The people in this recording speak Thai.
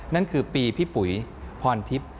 นั่นคือปีพี่ปุ๋ยพรทิพย์